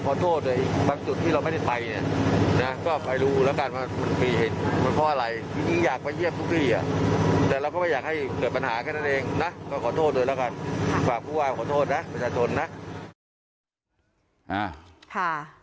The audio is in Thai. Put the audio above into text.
ก็ขอโทษด้วยแล้วการฟับภูมิขอโทษนะประชาชนนะ